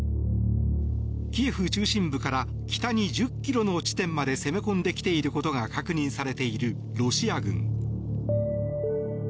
キエフ中心部から北に１０ｋｍの地点まで攻め込んできていることが確認されているロシア軍。